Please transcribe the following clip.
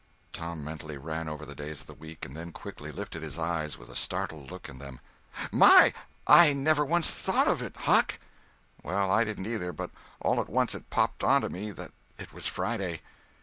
Tom mentally ran over the days of the week, and then quickly lifted his eyes with a startled look in them— "My! I never once thought of it, Huck!" "Well, I didn't neither, but all at once it popped onto me that it was Friday."